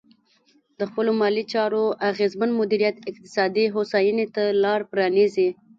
د خپلو مالي چارو اغېزمن مدیریت اقتصادي هوساینې ته لار پرانیزي.